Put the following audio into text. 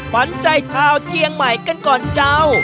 ขวัญใจชาวเจียงใหม่กันก่อนเจ้า